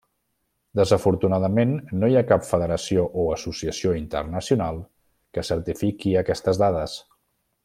Desafortunadament no hi ha cap federació o associació internacional que certifiqui aquestes dades.